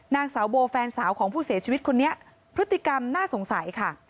นางสาวโบแฟนสาวของผู้เสียชีวิตคนนี้พฤติกรรมน่าสงสัยค่ะ